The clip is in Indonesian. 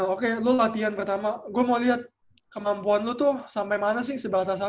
oke lo latihan pertama gue mau lihat kemampuan lo tuh sampai mana sih sebatasan